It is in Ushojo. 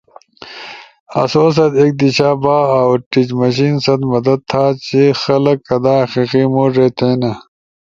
سو ست ایک دیشا با اؤ ٹیچ مشین ست مدد تھا چی خلق کدا ھقیقی موڙے تھینا